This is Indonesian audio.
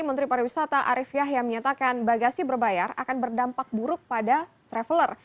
menteri pariwisata arief yahya menyatakan bagasi berbayar akan berdampak buruk pada traveler